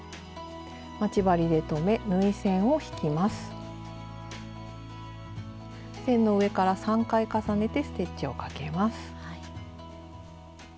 線の上から３回重ねてステッチをかけます。